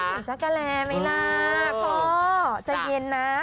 มันถึงจักรแร่ไหมล่ะพอใจเย็นนะ